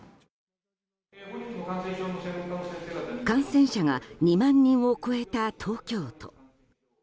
感染者が２万人を超えた東京都。